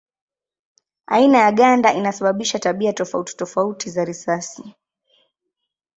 Aina ya ganda inasababisha tabia tofauti tofauti za risasi.